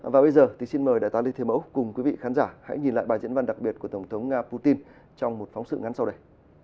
và bây giờ thì xin mời đại tá lê thế mẫu cùng quý vị khán giả hãy nhìn lại bài diễn văn đặc biệt của tổng thống nga putin trong một phóng sự ngắn sau đây